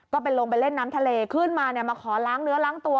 ก็ไปลงไปเล่นน้ำทะเลขึ้นมาเนี่ยมาขอล้างเนื้อล้างตัว